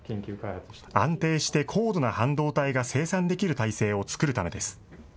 安定して高度な半導体が生産できる体制を作るためです。